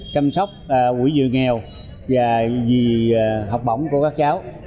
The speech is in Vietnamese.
chăm sóc quỹ dự nghèo và vì học bổng của các cháu